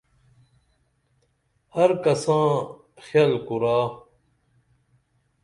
ہر کساں خِیل کُرا